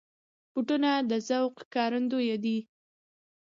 بوټونه د ذوق ښکارندوی دي.